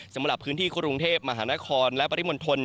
สำหรับพื้นที่กรุงเทพฯมหานครและปฤมศิมรษ์ทน